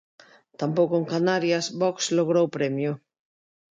Tampouco en Canarias Vox logrou premio.